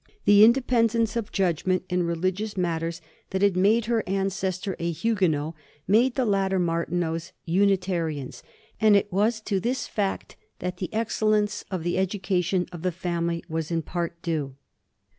The independence of judgment in religious matters that had made their ancestor a Huguenot, made the latter Martineaus Unitarians; and it was to this fact that the excellence of the education of the family was in part due.